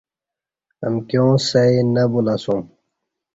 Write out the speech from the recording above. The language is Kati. امکیاں سئ نہ بولہ اسوم